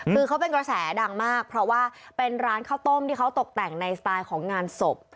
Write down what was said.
คือเขาเป็นกระแสดังมากเพราะว่าเป็นร้านข้าวต้มที่เขาตกแต่งในสไตล์ของงานศพ